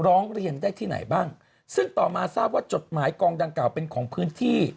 ร้องเรียนได้ที่ไหนบ้างซึ่งต่อมาทราบว่าจดหมายกองดังกล่าวเป็นของพื้นที่